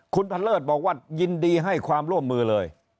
คุณพันเลิศบอกว่ายินดีให้ความร่วมมือเลย